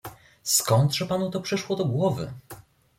"skądże panu to przyszło do głowy?"